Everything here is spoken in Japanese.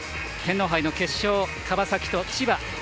天皇杯の決勝、川崎と千葉。